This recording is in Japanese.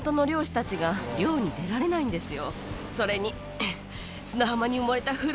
それに。